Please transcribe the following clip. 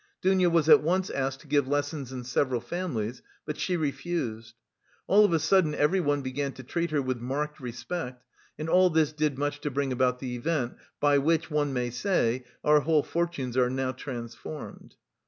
Dounia was at once asked to give lessons in several families, but she refused. All of a sudden everyone began to treat her with marked respect and all this did much to bring about the event by which, one may say, our whole fortunes are now transformed.